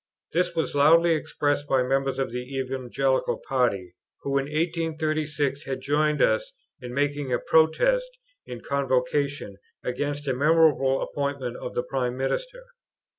This was loudly expressed by members of the Evangelical party, who in 1836 had joined us in making a protest in Convocation against a memorable appointment of the Prime Minister.